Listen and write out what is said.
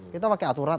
kita pakai aturan